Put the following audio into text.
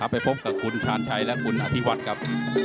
ไปพบกับคุณชาญชัยและคุณอภิวัตรครับ